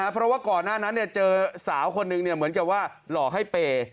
เพราะว่าก่อนหน้านั้นเจอสาวคนหนึ่งเหมือนกับว่าหลอกให้เปย์